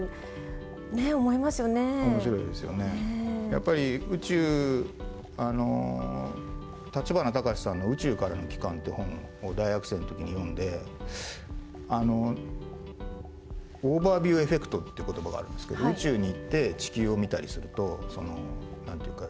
やっぱり宇宙立花隆さんの『宇宙からの帰還』って本を大学生の時に読んでオーバービュー・エフェクトっていう言葉があるんですけど宇宙に行って地球を見たりするとなんていうか